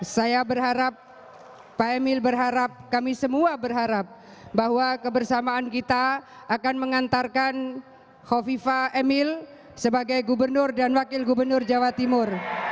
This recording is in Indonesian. saya berharap pak emil berharap kami semua berharap bahwa kebersamaan kita akan mengantarkan hovifa emil sebagai gubernur dan wakil gubernur jawa timur